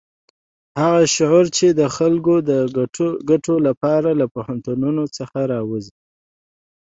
هغه شعور چې د خلکو د ګټو لپاره له پوهنتونونو راوزي.